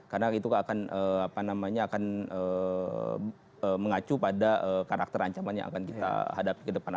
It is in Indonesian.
karena itu akan apa namanya akan mengacu pada karakter ancaman yang akan kita hadapi ke depan